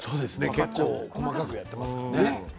結構、細かくやってますからね。